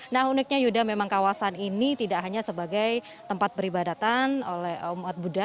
nah uniknya yuda memang kawasan ini tidak hanya sebagai tempat beribadatan oleh umat buddha